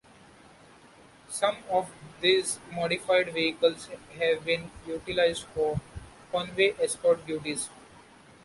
Some of these modified vehicles have been utilized for convoy escort duties.